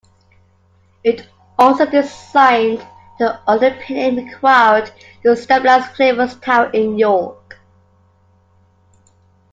It also designed the underpinning required to stabilise Clifford's Tower in York.